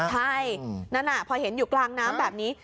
ใช่นั่นพอเห็นอยู่กลางน้ำแบบนี้